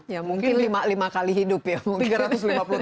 ya mungkin lima kali hidup ya mungkin